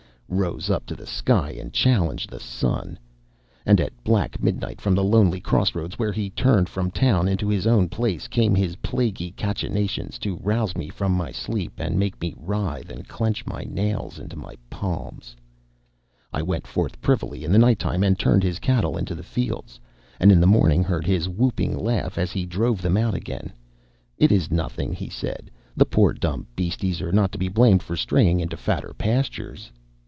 rose up to the sky and challenged the sun. And at black midnight, from the lonely cross roads where he turned from town into his own place, came his plaguey cachinnations to rouse me from my sleep and make me writhe and clench my nails into my palms. I went forth privily in the night time, and turned his cattle into his fields, and in the morning heard his whooping laugh as he drove them out again. "It is nothing," he said; "the poor, dumb beasties are not to be blamed for straying into fatter pastures."